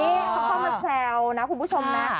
เขาเข้ามาแซวนะคุณผู้ชม